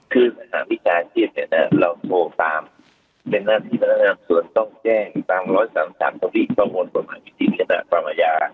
คือสถานพิชาชีพเราโทรตามเป็นหน้าที่มันต้องการส่วนต้องแจ้งตาม๑๓๓สวิติประวัติบทธิพิเศษภาคมัยา